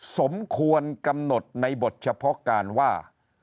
สมควรกำหนดในบทเฉพาะการว่า